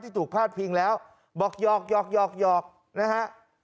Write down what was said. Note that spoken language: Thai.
ที่ถูกพลาดพิงแล้วบอกหยอกหยอกหยอกหยอกนะฮะ